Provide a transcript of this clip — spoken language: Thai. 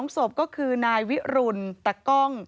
ศพก็คือนายวิรุณตะกล้อง